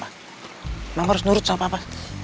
mama harus nurut soal papa